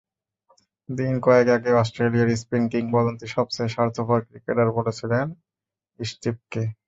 দিন কয়েক আগে অস্ট্রেলিয়ার স্পিন কিংবদন্তি সবচেয়ে স্বার্থপর ক্রিকেটার বলেছিলেন স্টিভকে।